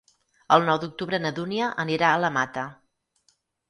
El nou d'octubre na Dúnia anirà a la Mata.